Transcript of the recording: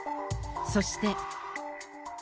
そして。